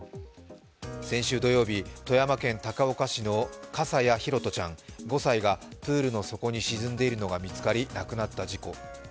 先週土曜日、富山県高岡市の笠谷拓杜ちゃん５歳がプールの底に沈んでいるのが見つかり、亡くなった事故。